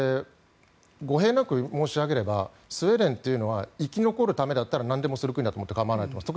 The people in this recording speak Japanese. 語弊なく申し上げればスウェーデンというのは生き残るためだったらなんでもする国だと思ってかまわないと思います。